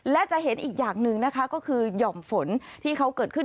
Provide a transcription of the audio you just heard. และจะเห็นอีกอย่างหนึ่งนะคะก็คือหย่อมฝนที่เขาเกิดขึ้น